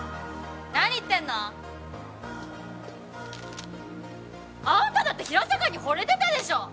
何言ってんの？あんただって平坂にほれてたでしょ。